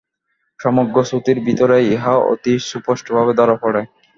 সমগ্র শ্রুতির ভিতরেই ইহা অতি সুস্পষ্টভাবে ধরা পড়ে।